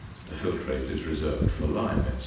The filtrate is reserved for lime, &c.